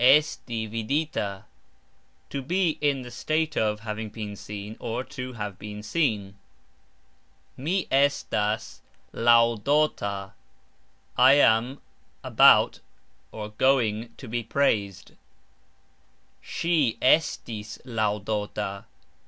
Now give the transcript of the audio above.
Esti vidita ................. To be (in the state of) having been seen, or, to have been seen. Mi estas lauxdota .......... I am about (going) to be praised. Sxi estis lauxdota